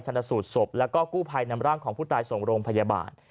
สูตรศพแล้วก็กู้ภัยนำร่างของผู้ตายส่งโรงพยาบาล